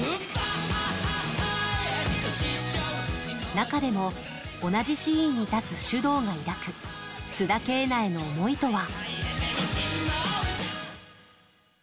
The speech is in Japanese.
中でも同じシーンに立つｓｙｕｄｏｕが抱く須田景凪への思いとは。